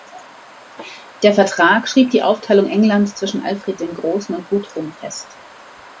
Der Vertrag schrieb die Aufteilung Englands zwischen Alfred dem Großen und Guthrum fest.